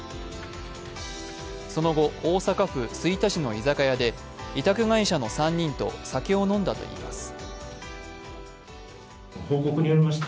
その後、大阪府吹田市の居酒屋で委託会社の３人と酒を飲んだといいます。